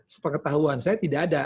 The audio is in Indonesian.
sepakat ketahuan saya tidak ada